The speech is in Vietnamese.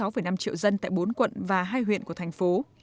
sáu năm triệu dân tại bốn quận và hai huyện của thành phố